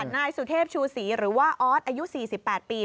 นายสุเทพชูศรีหรือว่าออสอายุ๔๘ปี